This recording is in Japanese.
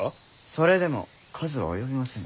それでも数は及びませぬ。